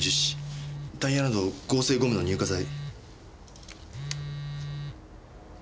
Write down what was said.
タイヤなど合成ゴムの乳化剤。